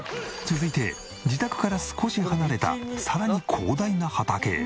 続いて自宅から少し離れたさらに広大な畑へ。